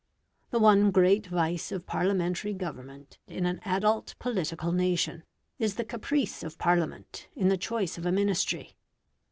The one great vice of Parliamentary government in an adult political nation, is the caprice of Parliament in the choice of a Ministry.